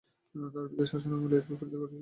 তাঁর পিতার শাসনামলে এর বিপরীত ঘটেছিল।